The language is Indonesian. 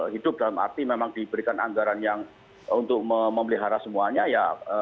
hidup dalam arti memang diberikan anggaran yang untuk memelihara semuanya ya